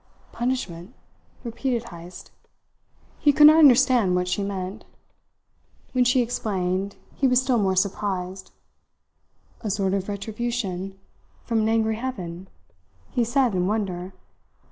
"Punishment?" repeated Heyst. He could not understand what she meant. When she explained, he was still more surprised. "A sort of retribution, from an angry Heaven?" he said in wonder.